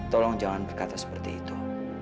tolong jangan berkata seperti itu